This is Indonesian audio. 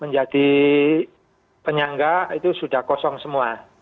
menjadi penyangga itu sudah kosong semua